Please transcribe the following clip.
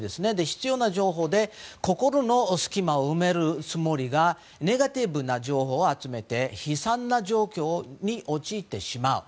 必要な情報で心の隙間を埋めるつもりがネガティブな情報を集めて悲惨な状況に陥ってしまう。